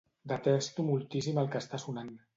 Detesto moltíssim el que està sonant.